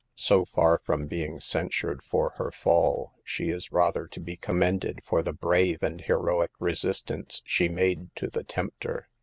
So far from being censured for her fall, she is rather to be commended for the brave and heroic resistance she made to the tempter.